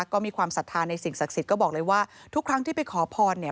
ก็มีความศรัทธาในสิ่งศักดิ์สิทธิ์ก็บอกเลยว่าทุกครั้งที่ไปขอพรเนี่ย